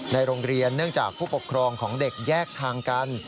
ในโรงเรียนเนื่องจากผู้ปกครองของเด็กแยกทางกัน